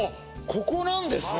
ここなんですね